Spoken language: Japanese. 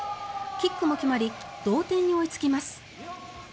キックも決まり同点に追いつきます。